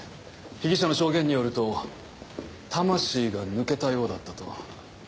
被疑者の証言によると魂が抜けたようだったと。